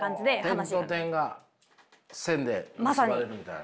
点と点が線で結ばれるみたいな。